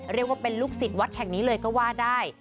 เรียกว่าเป็นลูกศิษย์วัดแห่งนี้เลยก็ว่าได้